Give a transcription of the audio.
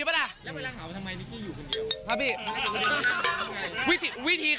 แล้วเวลาเหล่าทำไมนิกี้อยู่คนเดียว